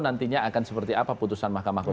nantinya akan seperti apa putusan mk